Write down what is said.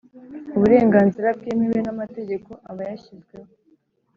uburenganzira bwemewe n amategeko aba yashyizweho